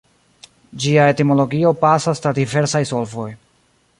Ĝia etimologio pasas tra diversaj solvoj.